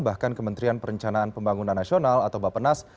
bahkan kementerian perencanaan pembangunan nasional atau bapenas